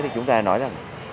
thì chúng ta nói rằng